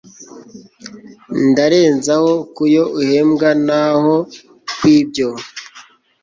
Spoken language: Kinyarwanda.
ndarenzaho kuyo uhebwa naho kwibyo